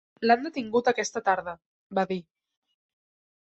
"L'han detingut aquesta tarda," va dir.